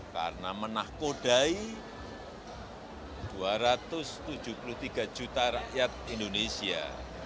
karena menakodai dua ratus tujuh puluh tiga juta rakyat indonesia